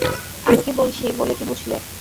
আমি কি বলছি বলে কি বুঝালে?